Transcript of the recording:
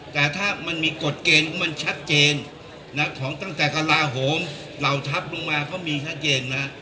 แต่ถ้ามันมีกฎเกณฑ์ของมันชัดเจนของตั้งแต่กระลาโหมเหล่าทัพลงมาก็มีชัดเจนนะ